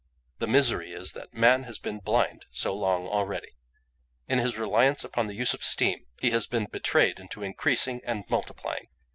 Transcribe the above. "The misery is that man has been blind so long already. In his reliance upon the use of steam he has been betrayed into increasing and multiplying.